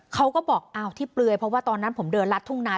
เขาก็บอกอ้าวที่เปลือยเพราะว่าตอนนั้นผมเดินลัดทุ่งนา